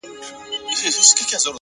هره ناکامي د بلې هڅې پیل دی؛